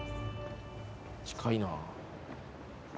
近いな。